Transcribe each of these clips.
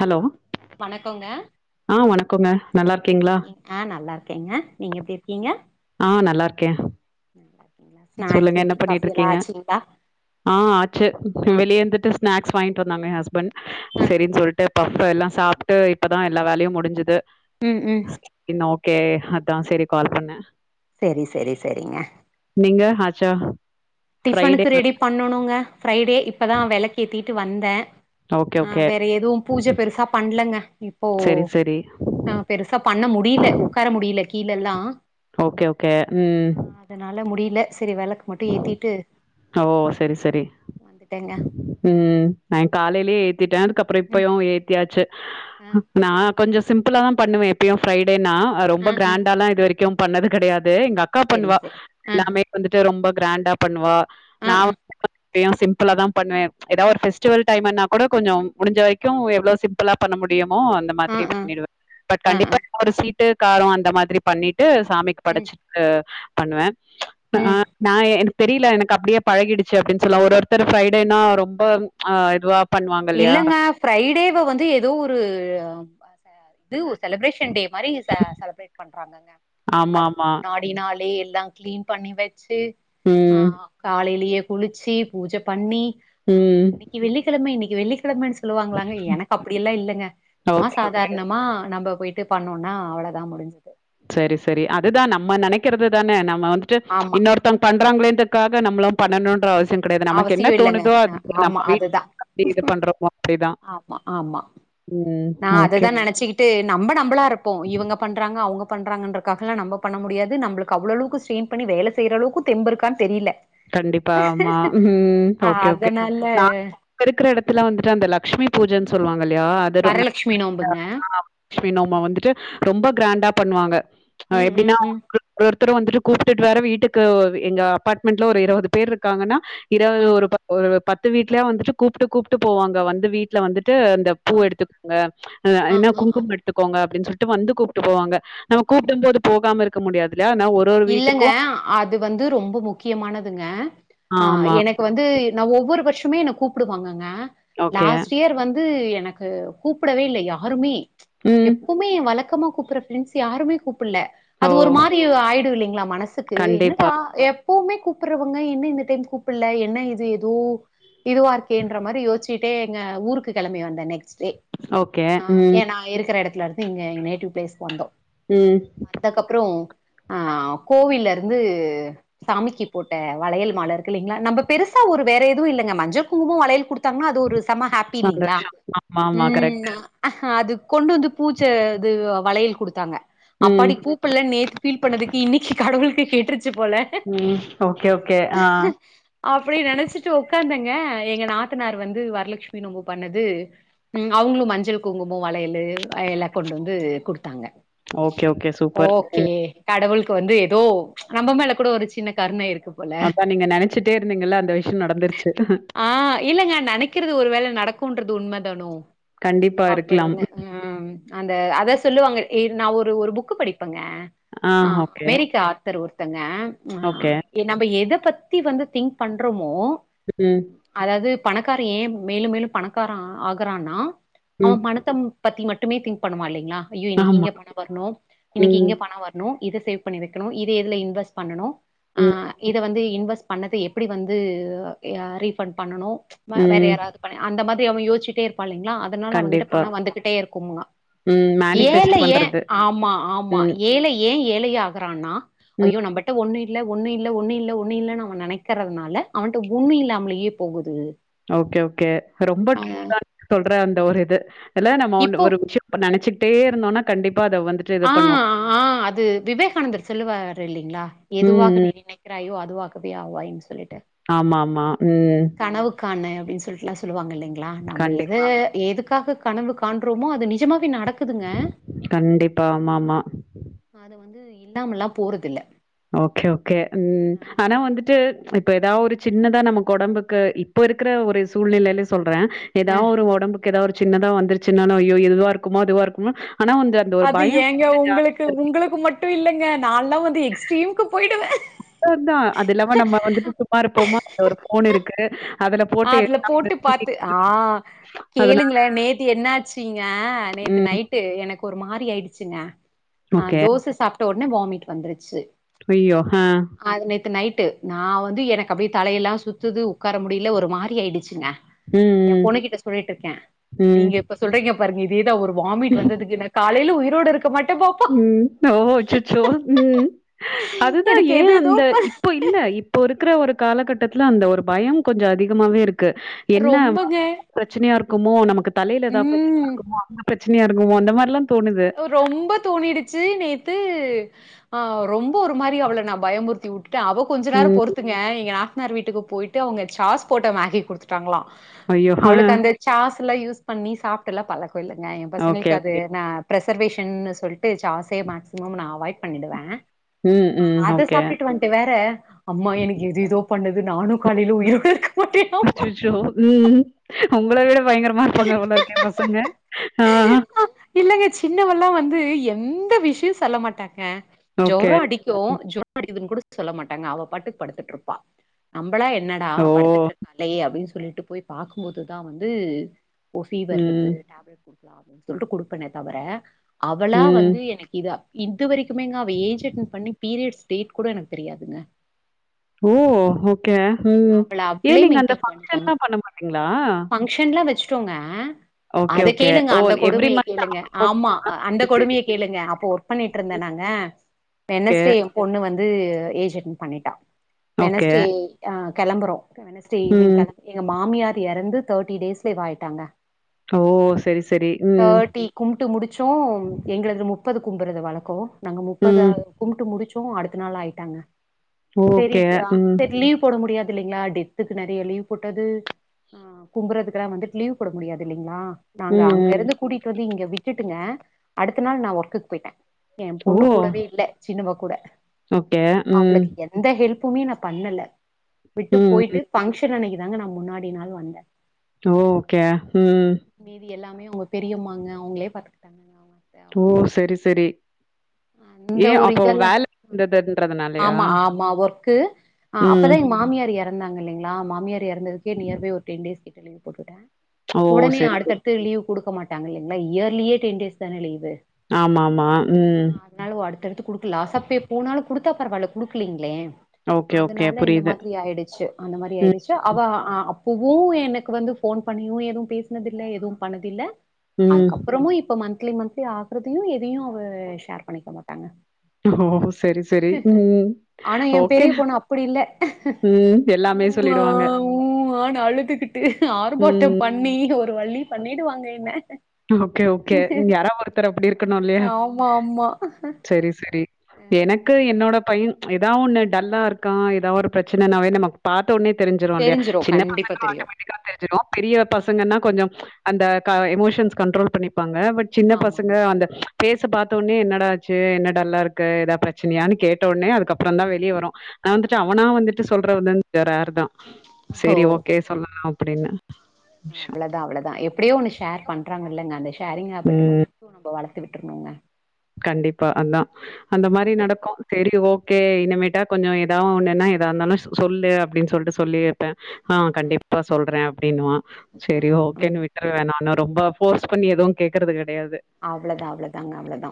Hello வணக்கோங்க ஆ வணக்கோங்க எப்டி நல்லாருக்கீங்ளா இருக்கீங்க ஆ நல்லாருக்கேங்க நீங்க எப்டி இருக்கீங்க ஆ நல்லாருக்கே நல்லாருக்கீங்ளா ஸ்நாக்ஸ்ஸு டீ பண்ணிட்டு காஃபியெல்லா இருக்கீங்க ஆச்சுங்ளா ஆ ஆச்சு வெளிய இருந்துட்டு ஸ்நாக்ஸ் வாங்கிட்டு வந்தாங்க எ ஹஸ்பண்ட் ஆ சரின்னு சொல்ட்டு பப் எல்லா சாப்ட்டு இப்பதா எல்லா வேலையு முடிஞ்சுது ம் ம் இன்ன ஓகே அதா சேரி கால் பன்ன செரி செரி செரிங்க நீங்க ஆச்சா ஃப்ரைடே டிபனுக்கு ரெடி பண்ணணுங்க ஃபிரைடே இப்பதா வெளக்கேத்திட்டு வந்த ஓகே ஆ ஓகே வேற எதுவு பூஜ பெருசா பண்லங்க இப்போ சரி சரி ஆ பெருசா பண்ண முடியில உக்கார முடில கீலெல்லா ஓகே ம் அதனால முடில சரி வெளக்கு மட்டு ஏத்திட் ஓ சரி சரி வந்துட்டேங்க ம் நா காலைலயே ஏத்திட்ட அதுக்கப்றோ ம் இப்பயு ஏத்தியாச்சு ஆ நா கொஞ்சோ சிம்புளாதா பண்ணுவே எப்பயு ஃபிரைடேனா ரொம்ப ஆ ஆ கிராண்டால்லா இது வரைக் க்கும் பண்ணது கெடையாது எங்கக்கா செரி பண்ணுவா செரி ஆ எல்லாமே வந்துட்டு ரொம்ப கிராண்டா பண்ணுவா ஆ நா ஆ [inaudible] தியு சிம்புளாதா பண்ணுவே ஏதா ஒரு பெஃஸ்டிவல் டைம்மன்னா கூட கொஞ்சோ முடிஞ்ச வரைக்கு எவ்ளோ சிம் புளா பண்ண முடியுமோ அந்த ஆ மாதிரி ஆ பண்ணிடுவ பட் ஆ ஆ கண்டிப்பா ஒரு சீட்டு காரோ அந்த மாதிரி பண்ணிட்டு சாமிக்கு ம் படச்சு அ பண்ணுவ அ ம் எ எனக்கு தெரில எனக்கு அப்டியே பழகிடுச்சு அப்டின்னு சொல்லா ஒரு ஒருத்தரு பிரைடேனா ரொம்ப ம் அ இதுவா பண்ணுவாங்க இல்லையா இல்லங்க ஃபிரைடேவ வந்து ஏதோ ஒரு [inaudible] இது ஒரு செலப்ரேஷன் டே மாரி செ செலப்ரேட் பண்றாங்கங்க ஆமா அதுக்கு ஆமா முன்னாடி அப்டினாலே எல்லா கிளீன் பண்ணி வெச்சு ம் ஆ காலைலயே குளிச்சு பூஜ பண்ணி ஆ ம் இன்னைக்கு வெள்ளிக்கிழம இன்னைக்கு வெள்ளிக்கிழமன்னு சொ சொல்லுவாங்களாங்க எனக்கு அப்டியெல்லா இல்லங்க சும்மா ஓகே சாதார்னோ மா நம்ம போய்ட்டு பண்ணோனா அவளதா முடிஞ்சுது சரி சரி அதுதா நம்ம நெனைக்கறது தானே நம்ம வந்துட்டு ஆமா இன்னொருத் தங் பண்றாங்ளேன்டத்காக நம்ளு பண்ணணுன்ற அவசியோ கெடயாது நமக்கு என்ன அவசியோ இல்லங்க தோணுதோ நம்ம ஆமா அதுதா வீட்டுப்படி இது பண்றோமோ அப்டிதா ஆமா ஆமா ம் நா அததா நெனச்சுகிட்டு நம்ம நம்மளா இருப்போ இவங்க பண்றாங்க அவுங்க பண்றாங்கன்ட்றக்காக நம்ம பண்ண முடியாது நம்ளுக்கு அவ்ளோ அளவுக்கு ஸ்ட்ரெய்ன் பண்ணி வேல செய்ற அளவுக்கு தெம்பு இருக்கான் தெரியல கண்டிப்பாமா ம் ஆ ஓகே ஓகே அதனால நா கிருக்கிற எடத்துல வந்துட்டு அந்த லக்ட்சுமி பூஜைன் சொல்லுவாங்கல்லையா அது ரொன்னா வரலட்சுமி நோம்புங்க [unintelligible] ட்சுமி நோம வந்துட்டு ரொம்ப கிராண்டா பண்ணுவாங்க அ ம் ம் எப்பிடினா ம் [unintelligible] த்துரு வந்துட்டு கூப்பிட்டுட்டு வேற வீட்டுக்கு எங்க அபாட்மெண்ட்ல ஒரு இருவது பேர் இருக்காங்கன்னா இரவு ஆ ஒரு ப ஒரு பத்து வீட்ல வந்துட்டு கூப்ட்டு கூப்ட்டு போவாங்க வந்து வீட்ல வந்துட்டு அந்த பூ ஆ எடுத்துக்கங்க அ ஆ என்ன ஆ குங்கும் எடுத்துக்கோங்க அப்பிடின் சொல்ட்டு வந்து கூப்புட்டு போவாங்க நாம்ம ஆமா கூப்புடு போது போகாம இருக்க முடியாதுல்ல ஆனா ஒ இல்லங்க அது வந்து ரொம்ப முக்கியமானதுங்க ஆ ஆமா. எனக்கு வந்து நா ஒவ்வொரு வருஷமே என்ன கூப்புடுவாங்கங்க ஓகே. லாஸ்ட் இயர் வந் து எனக்கு கூப்பிடவே இல்ல யாருமே ம். எப் புமே வழக்கமா கூப்பிற ஃபிரெண்ஸ் யாருமே கூப்பில ஓ! அது ஒரு மாரி ஆய்டு இல்லிங்களா மனசுக் து கண்டிப்பா. என்னடா எப்புவுமே கூப்பறவங்க என்ன இந்த டைம் கூப்பில என்ன இது எதோ இதுவா இருக்கேன்ற மாரி யோச்சிட்டே எங்க ஊருக்கு கெழம்பி வந்தே நெக்ஸ்டே ஓகே. ஆ ம். ஏ நா இருக்கிற எடத்துல இருந்து இங்க எங் நேட்டிவ் பிளேஸ்க்கு வந்தோ ம் வந்தக்கப்புறோ ஆ கோவில்ல இருந்து சாமிக்கி போட்ட வளையல் மால இருக்கு இல்லைங்களா நம்ம பெருசா ஒரு வேற எதுவு இல்லங்க மஞ்ச குங்குமம் வளையல் குடுத் த்தாங்கனா அது ஒரு செம ஹாப்பி இல்லிங்களா சந்தோஷம். ஆமாமா ம் ந கரெக்ட். அது கொண்டு வந்து பூஜ இது வளையல் குடுத்தாங்க ம் அப்பாடி கூப்பல்ல நேத்து ஃபீல் ப் பண்ணதுக்கு இன்னிக்கு கடவுளுக்கு கேட்ரிச்சி போல ம் ஓகே ஓகே ஆ அப்பிடி நெனச்சிட்டு உக்காந்தங்க எங்க நாத்தனார் வந்து வரலட்சுமி நோம்பு பண்ணது ம் அவுங்களு மஞ்சள் குங்குமோ வளையலு அ எல்லா கொண்டு வந்து குடுத்தாங்க ஓகே ஓகே சூப்பர் ஓகே ம் கடவுளுக்கு வந்து எதோ நம்ம மேல கூட ஒரு சின்ன கருணை இருக்கு போல அதா நீங்க நெனச்சிட்டே இருந்தீங்கல்ல அந்த விஷ் நடந்துருச்சி ஆ இல்லங்க நெனைக்கிறது ஒரு வேல நடக்குன்றது உண்ம தானோ கண்டிப்பா இருக்கலாம் அப்பின்ன ம் அந்த அதா சொல்லுவாங்க ஏ நா ஒரு ஒரு புக்கு படிப்பங்க ஆ மெரிக்கா ஆத்தர் ஒருத்தங்க ஆ ஓகே எ நம்ம எத பத்தி வந்து திங்க் பண்றமோ ம் அதாது பணக்கார ஏ மேலு மேலு பணக்கார ஆகறானா அவ ம் பணத்தம் பத்தி மட் டுமே திங்க் பண்ணுவா இல்லிங்களா ஐயோ இன்னிக்கி ஆமா இங்க பண வரனு இன்னிக்கு ம் இங்க பண வர னு இத சேவ் பண்ணி வைக்கணு இத எதுல இன்வெஸ் பண்ணனு ஆ ம் இத வந்து இன்வெஸ் பண்ணத்த எப்பிடி வந்து எ அ ரீஃபண் பண்ணனு ம வேற ம் யாராவது பனே அந்த மாதி அவ யோசிட்டே இருப்பா இல்லிங்களா அதனால அவங்கிட்ட கண்டிப்பா பண வந்துகிட்டே இருக்கும்மா ம் ஏழ மேனிஃபெஸ்ட் ஏ பண்றது ஆமா ஆமா ம் ஏழ ஏ ஏழைய ஆகறான்னா ம் ஐயோ நம்பட்ட ஒன்னு இல்ல ஒன்னு இல்ல ஒன்னு இல்ல ஒன்னு இல்ல நாம நெனைக்கறதனால அவன்ட்ட ஒன்னு இல்லாமலியே போகுது ஓகே ஓகே ரொம்ப ஆ டிர்ல்லா இருக்கு சொல்ற அந்த ஒரு இது இல்ல நம்ம ஒன்னு இப்போ ஒரு விஷ்யோ இப்ப நெனச்சிகிட்டே இருந்தோனா கண்டிப்பா அத வந்து ஆ ஆ அது விவேகானந்தர் சொல்லுவார் இல்லிங்களா ம், எதுவாக நீ ம். நினை கிறாயோ அதுவாக்கவே ஆவாயின் சொல்லிட்டு ஆமா ஆமா ம் கனவுக்கானு அப்டின் சொல்லிட்டுலா சொல்லுவாங்க இல்லிங்களா நம்ம எது கண்டிப்பா. எதுக்காக கனவு காண்றோமோ அது நிஜமாவ நடக்குதுங்க கண்டிப்பா ஆமா ஆமா அது வந்து இல்லாமல்லாம் போறதில்லை ஓகே ஓகே ம் ஆனா வந்துட்டு இப்ப ஏதாவ ஒரு சின்னதா நமக்கு உடம்புக்கு இப்போ இருக்கிற ஒரு சூழ்நிலையிலே சொல்றேன் ஏதாவது ஒரு உடம்புக்கு ஏதாவது ஒரு சின்னதா வந்துருச்சுன்னா அய்யயோ இதுவா இருக்குமோ அதுவா இருக்குமோ ஆனா அந்த ஒரு அது பயம் ஏங்க வந்து ஜாஸ்தியா உங்களுக்கு இருக்கு. உங்களுக்கு மட்டும் இல்லங்க நான்ல்லாம் வந்து எக்ஸ்ட்ரீம்கு போயிடுவே அ தான் அது இல்லாம நம்ம வந்துட்டு சும்மா இருப்போமா அந்த ஒரு போன் இருக்கு அதுல ஆ போட்டு அதுல போட்டு பாத்து ஆ அதனா கேளுங்கள நேத்து என்னாச்சுங்க நேத்து ம் நைட் ட்டு எனக்கு ஒரு மாறி ஆயிடுச்சுங்க ஆ ஓகே. தோசை சாப்ட்ட உடனே வாமிட் வந்துருச்சு ஐயியோ ஆ அது நேத்து நைட்டு நான் வந்து எனக்கு அப்டியே தலையெல்லாம் சுத்துது உட்கார முடில ஒரு மாரி ஆயிடுச்சுங்க என் ம், பொண்ணுகிட்ட சொல்லிட்டு இருக்கேன் ம், ம். நீங்க இப்ப சொல்றீங்க பாருங்க இதேதான் ஒரு வாமிட் வந்ததுக்கு காலையில உயிரோடு இருக் ம் ஓ அச்சச்சோ ம் அதுதான் எனக்கு ஏன் எது எதோ அந்த ப இப்போ இல்ல இ இப்போ இருக்கிற ஒரு காலகட்டத்துல அந்த ஒரு பயம் கொஞ்சம் அதிகமாவே இருக்கு என்ன ரொம்பங்க. பிரச்சனையா இருக்குமோ நமக்கு தலையில ஏதாவ பிரச்சனையா ம். இருக்குமோ அந்த பிரச்சனையா இருக்குமோ அந்த மாரில்லாம் தோணுது ரொம்ப தோணிடுச்சு நேத்து ஆ ரொம்ப ஒரு மாரி அவள நான் பயமுறுத்தி விட்டுட்டேன் அவ கொஞ்ச நேரம் ம். பொறுத்துங்க எங்க நாத்தனார் வீட்டுக்கு போயிட்டு அவங்க சாஸ் போட்ட மேகி குடுத் டாங்களா ஐயோ! ஆ. அவளுக்கு அந்த சாஸ் எல்லாம் யூஸ் பண்ணி சாப்ட்டுலாம் பழ இப்போ இல்லங்க என் ஓகே, பசங்களுக்கு அது ஓகே. நா பிரசர்வேஷன்னு சொல்லிட்டு சாஸ்ஸே மேக்சிமம் நா அவாய்ட் பண்ணிடுவ ம், ஆ ம். அத ஓகே. சாப்பிட்டு வந்துட்டு வேற அம்மா எனக்கு எது ஏதோ பண்ணது நானும் காலையில உயிரோட இருக்க மட்டேனோ அச்சச்சோ ம் உங்கள விட பயங்கரமா இருப்பாங்க போலருக்கே பசங்க மாட்டேனாமா ஆ இல்லங்க சின்னவல்லாம் வந்து எந்த விஷயம் செல்ல மாட்டாங்க ஓகே. ஜோரோ அடிக் க்குதோ ம். ஜொறோ அடிக்குதுன்னு கூட சொல்ல மாட்டாங்க அவ பாட்டுக்கு படுத்துட்டு இருப்பா நம்மளா என்னடா ஓ! படுத்துட்டு இருக்காலே அப்டின்னு சொல்லிட்டு போய் பாக்கும் போதுதான் வந்து ஓ ஃபீவர் இருக்குது ம். டேப்லெட் குடுக்கலாம் அப்டின்னு சொல்லிட்டு குடுப்பனே தவிர அவளா ம். வந்து எனக்கு இதா இது வரைக்குமே ஏஜ் அட்டன் பண்ணி பீரியட்ஸ் டேட் கூட எனக்கு தெரியாதுங்க ஓ ஓகே ம் அவள ஏன் அவளே நீங்க அந்த மெயின்டெயின் பங்க்ஷன்ல்லாம் பண்ண மாட்டீங்களா பங்ஷன்லாம் வச்சுட்டோங்க ஓகே, அத ஓகே. கேளுங்க ஓ! அந்த எவ்ரி கொடுமைய மந்த் கேளுங்க ஆமா ஆகப்போகமா? அந்த சரி, சரி. கொடுமையை கேளுங்க அப்போ ஒர் ஒர்க் பண்ணிட்டு இருந்தேனா நாங்க ஓகே. வென்னஸ்டே பொண்ணு வந்து ஏஜ் அட்டன் பண்ணிட்டா ஓகே. வெனஸ்டே கிளம்புறோம் வெனஸ்டே ஈவினிங் ம். கிம்பி எங்க மாமியார் இறந்து தேட்டி டேஸ்லே இதாய்யிட்டாங்க ஓ சரி சரி ம் கும்ட்டு முடிச்சோம் எங்கலதுல முப்பது கும்புறது வழக்கோ நாங்க முப்பதா ம். கும்ட்டு முடிச்சோம் அடுத்த நாள் ஆயிட்டாங்க செரி ஓகே. ஆ ம். செரி லீவ் போட முடியாது இல்லைங்களா டெத்துக்கு நிறைய லீவ் போட்டது ஆ கும்பறதுகெல்லாம் வந்துட்டு லீவ் போட முடியாது இல்லைங்களா நாங்க ம், அங்க ம். இருந்து கூட்டிட்டு வந்து இங்க விட்டுட்டுங்க அடுத்த நாள் நா ஒர்க்குக்கு போயிட்ட எ ஓ! பொண்ணு கூடவே இல்ல சின்னவ கூட ஓகே. ம். அவளுக்கு எ எந்த ஹெல்ப்புமே நா பண்ணல விட்டு ம், போயிட்டு ம். ஃபங்க்ஷன் அன்னைக்கு தாங்க நா முன்னாடி நாள் வந்த ஓகே ம் மீதி எல்லாமே அவுங்க பெரியமாங்க அவுங்களே ப பாத்துக்கிட்டாங்க ஓ செரி செரி பாத்துக்கிட்டாங்க அந்த ஏ ஒரு அப்போ இதெல்லா வேல இருந்ததுன்றதுனாலயா அ அப்பதா ம். எங்க மாமியார் எற் எறந்தாங்க இல்லைங்களா மாமியார் எறந்ததுக்கே நியர் பை ஒரு டென் டேஸ் கிட்ட லீவ் போட்டுட்ட ஓ! உடனே சரி, சரி. அடுத்தடுத் து லீவ் குடுக்க மாட்டங்க இல்லைங்களா இயர்லியே டென் டேஸ் தான லீவு ஆமா ஆமா ம் அதனாலு அடுத்தடுத்து குடுக்கலா லாஸ்ஸாப்பே போனாலு குடுத்தா பரவாயில்ல கொடுக்கலீங்ளே ஓகே, ஓகே. அதனால இந்த புரியுது. மாதிரி ஆயிடுச்சு அந்த மாரி ஆயிடுச்சு ம். அவ அ அப்போவு எனக்கு வந்து ஃபோன் பண்ணியு எதுவு பேசனதில்ல எதுவும் பண்ணதில்ல ம். அதுக்கப்புறமு இப்ப மந்த்லி மந்த்லி ஆகுறதையு எதையு அவ ஷேர் பண்ணிக்க மாட்டாங்க ஓ! சரி, சரி. ம். ஆனா எ ஓகே. பெரிய பொண்ணு அப்படி இல்ல ம். எல்லாமே உ ஆ சொல்லிடுவாங்க. உ ஆனு அழுதுகிட்டு ஆர்பாட்டம் ம். பண் டி என்ன ஒரு வலி பண்ணிடுவாங்க என்ன ஓகே ஓகே யாரா ஒருத்தர் அப்படி இருக்கணு இல்லையா ம் சரி சரி எனக்கு என்னோட பையன் எதா ஒண்ணு டல்லா இருக்கா எதா ஒரு பிரச்சனனாவே நமக் பாத்தோனே தெரிஞ்சிரு இல்லையா சின்ன கண்டிப்பா பசங்கனு தெரியு ஆட்டோமேட்டிக்கா தெரி ஞ்சிரு பெரிய பசங்கன்னா கொஞ்சோ அந்த க எமோஷன்ஸ் கண்ட்ரோல் பண்ணிப்பாங்க பட் சின்ன் ஆமா பசங்க ஆமா அந்த ஃபேச பாத்தோனே என்னடாச்சு என்ன டல்லா இருக்கு எதா பிரச்சனையான் கேட்டொன்னே அ அதுக்கப்புறோ தா ம், வெளிய வரு நா வந்துட்டு ம். அவனா வந்துட்டு சொல்றது கொஞ் ரேர் தா ஓ சேரி ஓகே சொல்லலா அப்படின்னு விஷயம். அவ்ளதா அவ்ளதா எப்படியோ ஒன்னு ஷேர் பண்றாங்க இல்லங்க அந்த ஷேரிங் ஹபிட்டு ம். மட்டு நம்ம வள வளத்து விட்ருனுங்க கண்டிப்பா அதா அந்த மாரி வளத்து விட்றனு நடக்கு சேரி ஓகே இனமேட்டா கொஞ்சோ எதா ஒண்ணுன்னா எதா இருந்தாலு சொல்லு அப்டின்னு சொல்லிட்டு சொல்லிருப்ப ஆ கண்டிப்பா சொல்ற அப்டின்னுவா ம் சேரி ம் ம் ஓகேன் வி விட்ருவ நானு ரொம்ப ஃபோர்ஸ் பண்ணி எதுவு கேக்கறது கடையாது அவ்ளதா அவ்ளதாங்க அவ்ளதா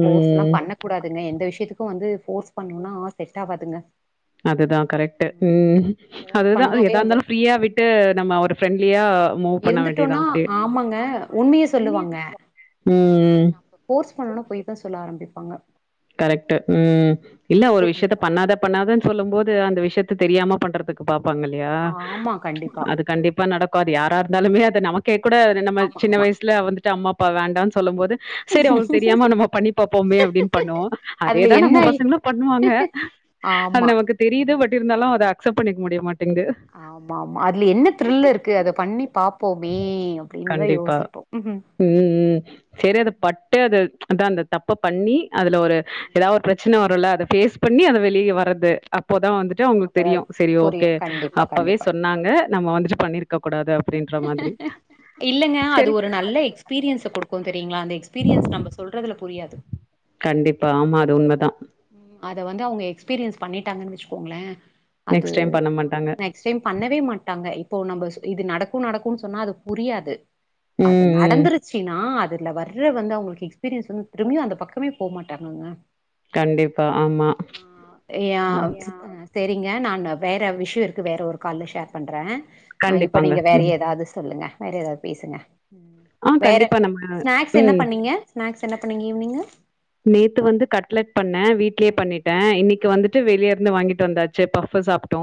ஃபோர்ஸ் எல்லாம் ம். பண்ண கூடாதுங்க எந்த விஷயத்துக்கு வந்து ஃபோர்ஸ் பண்ணுன்னா செட் ஆவாதுங்க அதுதா கரெக்ட்டு ம் ஃபோர்ஸ் அதுதா பண்ணாவே எதா அந்த இருந்தாலு ஃப்ரீயா விட்டு நம்ம ஒரு ஃப்ரெண்ட்லியா மூவ் பண்ண வேண்டியதா இருந்துட்டோனா அப்டே ஆமாங்க உண்மைய ம் சொல்லுவாங்க ம் நம்ம ஃபோர்ஸ் பண்ணோனா பொய் தா சொல்ல ஆரம்பிப்பாங்க கரெக்ட்டு ம் இல்ல ஒரு ஃபோர்ஸே விஷயத்த பண்ணக்கூடாது பண்ணாத பண்ணாதன்னு சொல்லும் போது அந்த விஷயத்த தெரியாம பண்றதுக்கு பாப்பாங்க இல்லையா ஆமா கண்டிப்பா அது கண்டிப்பா நடக்கு அது யாரா இருந்தாலுமே அது நமக்கே கூட நம்ம ஆமா சின்ன ஆமா வயசுல வந்துட்டு அம்மா அப்பா வேண்டான் சொல்லும் போது சரி அவுங்களுக்கு தெரியாமா நம்ம பண்ணி பாப்போமே அப்டின் பண்ணுவோ அதுல அதேதா என்ன நம்ம பசங்களு பண்ணுவாங்க அது ஆமா நமக்கு தெரியுது பட் இருந்தாலு அத அக்செப்ட் முடியமாட்டேங்து ஆமா ஆமா அதுல என்ன த்ரில் இருக்கு அத பண்ணி பாப்போமே அப்டின்னுதா கண்டிப்பா. யோசிப் ம்ம் [unintelligible] ம் ம் செரி அத பட்டு அத அதா அந்த தப்ப பண்ணி அதுல ஒரு ஏதாவது ஒரு பிரச்சன வருல்ல அத பேஸ் பண்ணி அத வெளிய வர்றது அப்போதா வந்துட்டு அவுங்களுக்கு அப்பதா தெரியு செரி புரியு ஓகே கண்டிப்பா அப்பவே கண்டிப்பா சொன்னாங்க நம்ம வந்துட்டு பண்ணிருக்க இருக்கக்க கூடாது அப்டின்ற மாதிரி இல்லங்க அது சரி. ஒரு நல்ல எஸ்பீரியன்ஸ குடுக்கு தெரியுங்ளா அந்த எக்ஸ்பீரியன்ஸ் நம்ம சொல்றதுல புரியாது கண்டிப்பா ஆமா அது உண்மதா அத வந்து அவுங்க எக்ஸ்பீரியன்ஸ் பண்ணிட்டாங்கன் வெச்சுக்கோங்ளே அது நெக்ஸ்ட் டைம் பண்ண மாட்டாங்க பண்ணவே மாட்டாங்க இப்போ நம்ம இது நடக்கு நடக்கு சொன்னா அது புரியாது அதனா ம் ம் நடந்துருச்சுன்னா அதுல வர்ற வந்து அவுங்களுக்கு எக்ஸ்பீரியன்ஸ் வந்து திரும்பியு அந்த பக்கமே போக மாட்டாங்கங்க கண்டிப்பா ஆமா ஆ ஏய ஓகே ஆ செரிங்க நா வேற விஷயோ இருக்கு வேற ஒரு கால்ல ஷேர் பண்றே ஆ இப்ப கண்டிப்பாங்க நீங்க ம் அத சொல்லுங்க வேற ஏதாவது பேசுங்க ஆ வேற கண்டிப்பா நம்ம ஸ்நாக்ஸ் என்ன ம் பண்ணீங்க ஸ்நாக்ஸ் என்னா பண்ணீங்க ஈவினிங்கு நேத்து வந்து கட்லெட் பண்ணே வீட்லயே பண்ணிட்டே இன்னைக்கு வந்துட்டு வெளிய இருந்து வாங்கிட்டு வந்தாச்சு பவ்வு சாப்ட்டோ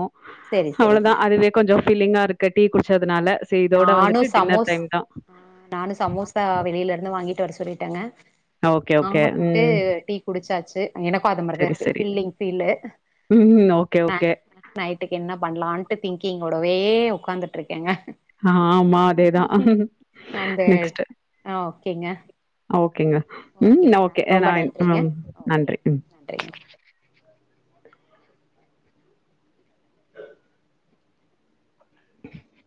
சரி சரிங்க அவ்வளதா அதுவே கொஞ்சோ ஃபில்லிங்கா இருக்கு டீ குடிச்சதுனால ச இதோட நானு வந்துட்டு டின்னர் சமோஸ் டைம் தா ஆ நானு சமோசா வெளியில இருந்து வாங்கிட்டு வர சொல்லிட்டேங்க தான் ஓகே ஓகே நமாத்துட்டு ம் டீ குடிச்சாச்சு எனக்கு அந்த சரி மாரி தா கண்டிப்பா. இருக்கு சரி பில்லிங் ஃபீல்லு ம் ஓகே ஓகே நைட்டுக்கு என்ன பண்ணலான்ட்டு திங்கிங் ஓடவே ஒக்காந்துட்டு இருக்கேங்க ஆமா அதேதா அந்த ஆ ஓகேங்க ஓகேங்க ம் ஓகேங்க நா ஓகே ரொம்ப நான் நன்றிங்க ம் ஓகேங்க நன்றி ம் நன்றிங்க [inaudible]